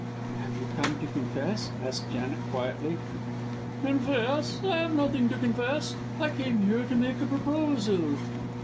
"Have you come to confess?" asked Janet, quietly. "Confess! I have nothing to confess. I come here to make a proposal."